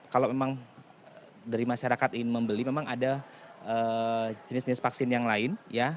kalau memang dari masyarakat ingin membeli memang ada jenis jenis vaksin yang lain ya